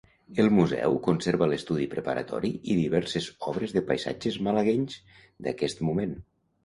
El museu conserva l'estudi preparatori i diverses obres de paisatges malaguenys d'aquest moment.